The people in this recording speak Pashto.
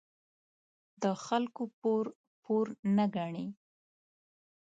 د خلکو پور، پور نه گڼي.